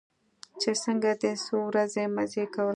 چې څنگه دې څو ورځې مزې کولې.